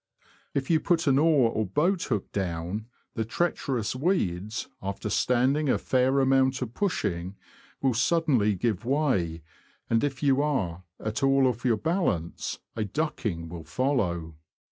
If you put an oar or boathook down, the treacherous weeds, after standing a fair amount of pushing, will suddenly give way, and if you are at all off your balance, a ducking will follow.